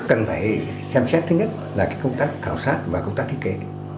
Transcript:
cần phải xem xét thứ nhất là công tác khảo sát và công tác thiết kế